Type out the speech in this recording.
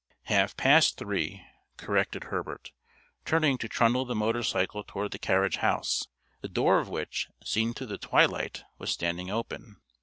"Half past three," corrected Herbert, turning to trundle the motorcycle toward the carriage house, the door of which, seen through the twilight, was standing open.